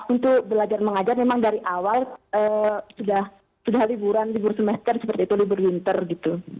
untuk belajar mengajar memang dari awal sudah liburan libur semester seperti itu libur winter gitu